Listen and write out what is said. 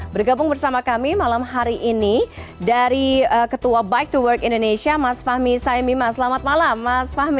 bergabung bersama kami malam hari ini dari ketua bike to work indonesia mas fahmi saimima selamat malam mas fahmi